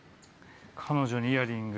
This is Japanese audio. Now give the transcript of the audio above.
彼女にイヤリング？